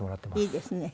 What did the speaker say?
いいですね。